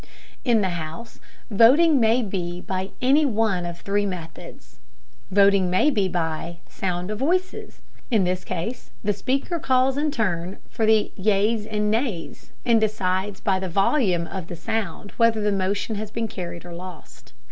In the House voting may be by any one of three methods. Voting may be by "sound of voices." In this case the Speaker calls in turn for the "ayes" and "noes," and decides by the volume of the sound whether the motion has been carried or lost.